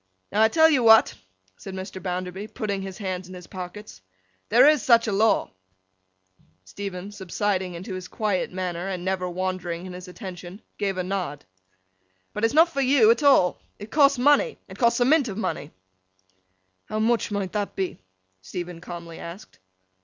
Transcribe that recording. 'Now, I tell you what!' said Mr. Bounderby, putting his hands in his pockets. 'There is such a law.' Stephen, subsiding into his quiet manner, and never wandering in his attention, gave a nod. 'But it's not for you at all. It costs money. It costs a mint of money.' 'How much might that be?' Stephen calmly asked.